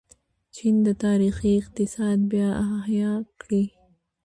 چین د تاریخي اقتصاد بیا احیا کړې.